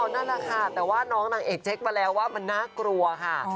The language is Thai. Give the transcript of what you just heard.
นั่นแหละค่ะแต่ว่าน้องนางเอกเช็คมาแล้วว่ามันน่ากลัวค่ะ